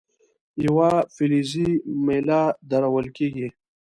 یوه فلزي میله درول کیږي.